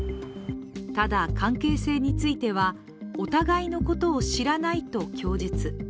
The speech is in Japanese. ただ、関係性についてはお互いのことを知らないと供述。